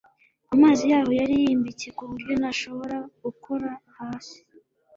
amazi yaho yari yimbitse kuburyo ntashobora gukora hasi